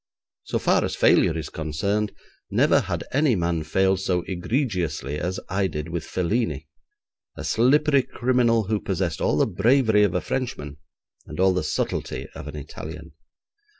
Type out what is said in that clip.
So far as failure is concerned, never had any man failed so egregiously as I did with Felini, a slippery criminal who possessed all the bravery of a Frenchman and all the subtlety of an Italian.